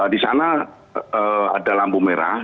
di sana ada lampu merah